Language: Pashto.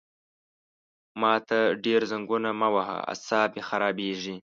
ما ته ډېر زنګونه مه وهه عصاب مې خرابېږي!